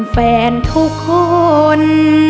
แฟนทุกคน